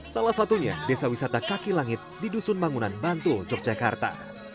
salah satunya desa wisata kaki langit di dusun bangunan bantul yogyakarta